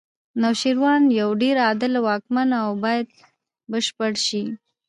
نوشیروان یو ډېر عادل واکمن و باید بشپړ شي.